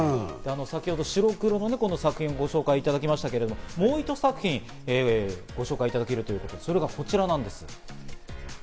先ほど白黒の作品をご紹介しましたが、もうひと作品、ご紹介いただけるという、それがこちらなんです。